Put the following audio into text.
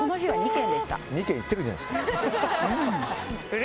２軒行ってるじゃないですか。